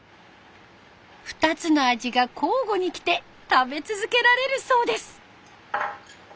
２つの味が交互にきて食べ続けられるそうです。